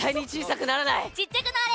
ちっちゃくなあれ！